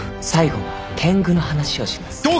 最後は天狗の話をします。